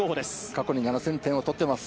過去に７０００点を取っています。